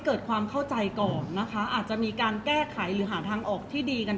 เพราะว่าสิ่งเหล่านี้มันเป็นสิ่งที่ไม่มีพยาน